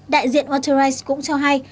đại diện waterize cũng cho hay